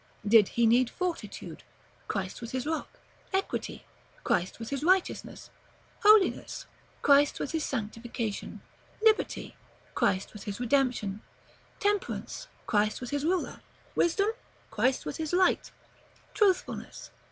Did he need fortitude? Christ was his rock: Equity? Christ was his righteousness: Holiness? Christ was his sanctification: Liberty? Christ was his redemption: Temperance? Christ was his ruler: Wisdom? Christ was his light: Truthfulness?